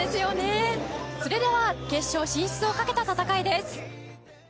それでは決勝進出をかけた戦いです。